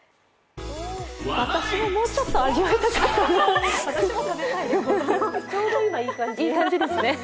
私ももうちょっと味わいたかったです。